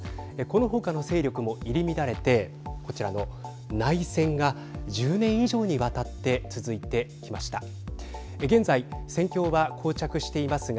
この他の勢力も入り乱れてこちらの内戦が１０年以上にわたって続いてきました。